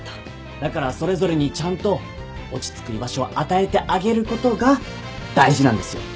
だからそれぞれにちゃんと落ち着く居場所を与えてあげることが大事なんですよ。